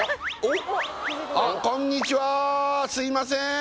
すいません